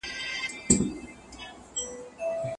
آیا مالګین خواړه تر بې مالګي خواړو ښه دي؟